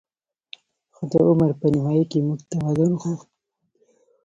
خو د عمر په نیمايي کې موږ تمدن غوښت